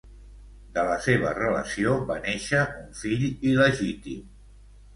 De la seva relació va néixer un fill il·legítim.